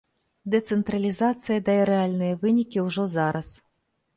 Дэцэнтралізацыя дае рэальныя вынікі ўжо зараз.